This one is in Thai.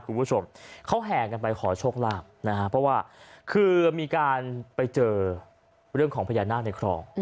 คุณผู้ชมเขาแห่กันไปขอโชคลาภนะฮะเพราะว่าคือมีการไปเจอเรื่องของพญานาคในคลอง